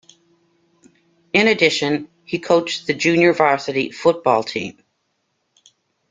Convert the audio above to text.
In addition, he coached the junior varsity football team.